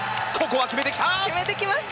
ここは決めてきた！